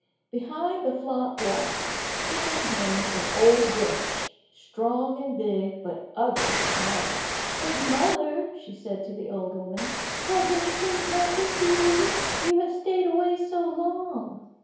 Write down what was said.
Behind the flock walked, stick in hand, an old wench, strong and big, but ugly as night. "Good mother," said she to the old woman, "has anything happened to you, you have stayed away so long?"